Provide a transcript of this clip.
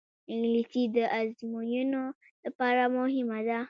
انګلیسي د ازموینو لپاره مهمه ده